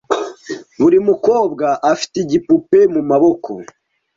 Buri mukobwa afite igipupe mumaboko.